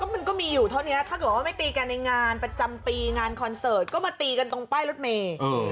มันก็มีอยู่เท่านี้ถ้าเกิดว่าไม่ตีกันในงานประจำปีงานคอนเสิร์ตก็มาตีกันตรงป้ายรถเมย์